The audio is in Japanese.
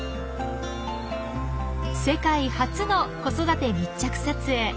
世界初の子育て密着撮影。